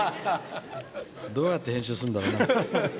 どうやって編集すんだろうな。